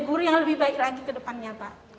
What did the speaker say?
guru yang lebih baik lagi ke depannya pak